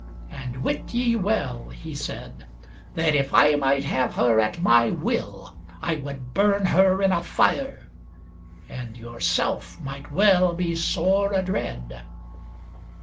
And wit ye well," he said, "that if I might have her at my will, I would burn her in a fire, and yourself might well be sore adread."